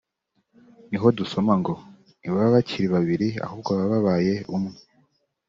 niho dusoma ngo “ntibaba bakiri babiri ahubwo baba babaye umwe